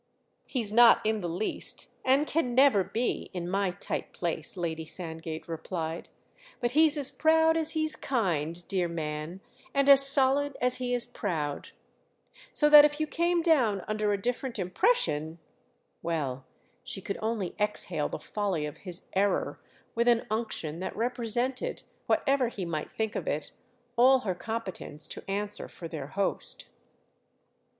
"He's not in the least, and can never be, in my tight place," Lady Sandgate replied; "but he's as proud as he's kind, dear man, and as solid as he's proud; so that if you came down under a different impression—!" Well, she could only exhale the folly of his error with an unction that represented, whatever he might think of it, all her competence to answer for their host.